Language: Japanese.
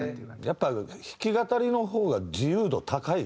やっぱ弾き語りの方が自由度高いよね。